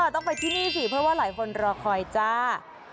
ต้องไปที่นี่สิเพราะว่าหลายคนรอคอยจ้า